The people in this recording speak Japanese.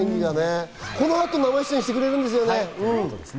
この後、生出演してくれるんですよね。